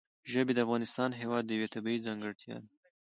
ژبې د افغانستان هېواد یوه طبیعي ځانګړتیا ده.